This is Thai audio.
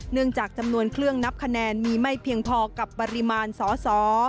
จากจำนวนเครื่องนับคะแนนมีไม่เพียงพอกับปริมาณสอสอ